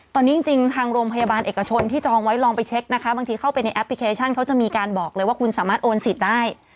ตอนนี้จริงทางโรงพยาบาลเอกชนที่จองไว้ลองไปเช็คนะคะบางทีเข้าไปในแอปพลิเคชันเขาจะมีการบอกเลยว่าคุณสามารถโอนสิทธิ์ได้